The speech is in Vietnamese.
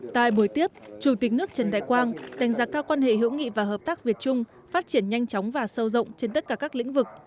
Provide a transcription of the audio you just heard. tại buổi tiếp chủ tịch nước trần đại quang đánh giá cao quan hệ hữu nghị và hợp tác việt trung phát triển nhanh chóng và sâu rộng trên tất cả các lĩnh vực